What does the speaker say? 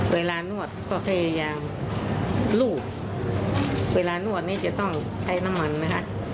เวลานวดก็พยายามลูบเวลานวดนี่จะต้องใช้น้ำมันนะคะ